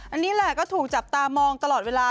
อันนี้แหละก็ถูกจับตามองตลอดเวลา